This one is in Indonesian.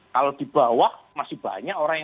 kalau di bawah masih banyak orang yang